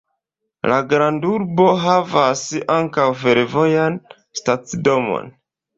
La grandurbo havas ankaŭ fervojan stacidomon.